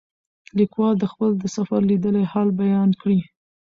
لیکوال خپل د سفر لیدلی حال بیان کړی.